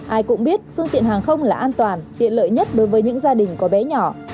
ai cũng biết phương tiện hàng không là an toàn tiện lợi nhất đối với những gia đình có bé nhỏ